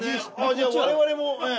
じゃあ我々もええ。